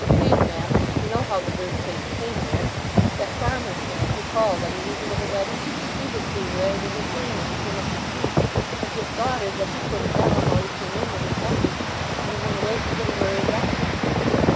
"Oh, please ma'am, we know how the bird cage came there. That farmer's man who called on the evening of the wedding—he was seen wi' it in his hand as he came up the street; and 'tis thoughted that he put it down while he came in with his message, and then went away forgetting where he had left it."